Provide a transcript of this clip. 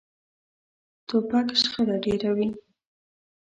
توپک شخړه ډېروي.